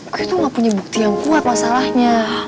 mereka tuh gak punya bukti yang kuat masalahnya